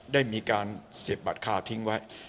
ได้มีการเสียบบัตรค่าทิ้งไว้